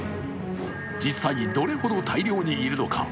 実際どれぐらい大量にいるのか。